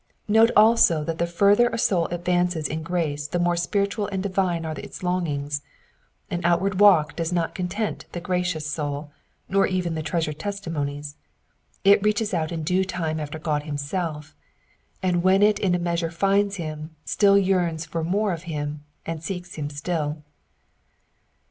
Note also that the further a soul advances in grace the more spiritual and divine are its longings : an outward walk does not content the gracious soul, nor even the treasured testimonies ; it reaches out in due time after God himself, and when it in a measure finds him, still yearns for more of him, and seeks him still.